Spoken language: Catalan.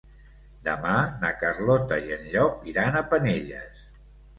Demà na Carlota i en Llop iran a Penelles.